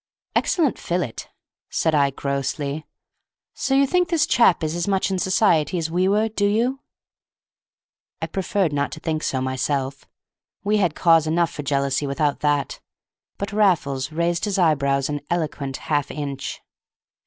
"Excellent fillet!" said I, grossly. "So you think this chap is as much in society as we were, do you?" I preferred not to think so myself. We had cause enough for jealousy without that. But Raffles raised his eyebrows an eloquent half inch.